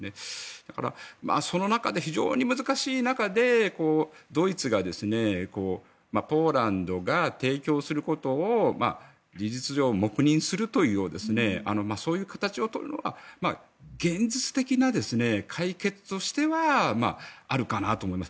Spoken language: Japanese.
だから、その中で非常に難しい中でドイツがポーランドが提供することを事実上黙認するというそういう形を取るのは現実的な解決としてはあるかなと思います。